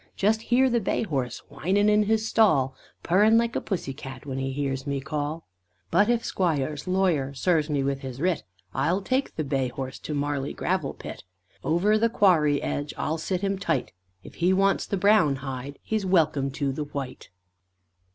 Just hear the bay horse Whinin' in his stall, Purrin' like a pussy cat When he hears me call. But if Squire's lawyer Serves me with his writ, I'll take the bay horse To Marley gravel pit. Over the quarry edge, I'll sit him tight, If he wants the brown hide, He's welcome to the white!